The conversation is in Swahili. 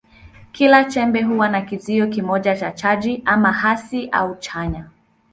Kila chembe huwa na kizio kimoja cha chaji, ama hasi au chanya.